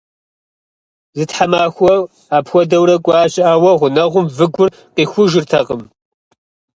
Зы тхьэмахуэ апхуэдэурэ кӏуащ, ауэ и гъунэгъум выгур къихужыртэкъым.